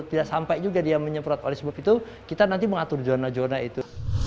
tidak sampai juga dia menyemprot oleh sebab itu kita nanti mengatur zona zona itu